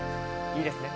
いいですね。